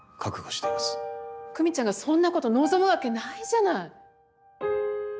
久美ちゃんがそんなこと望むわけないじゃない！